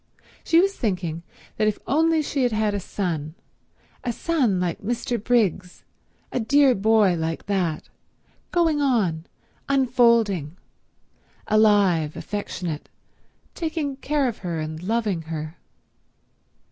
She was thinking that if only she had had a son—a son like Mr. Briggs, a dear boy like that, going on, unfolding, alive, affectionate, taking care of her and loving her.